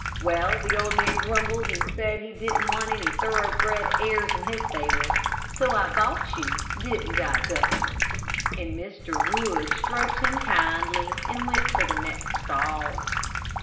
Well, the old man grumbled and said he didn't want any thoroughbred airs in his stable, so I bought you, didn't I, Dutchman?" and Mr. Wood stroked him kindly and went to the next stall.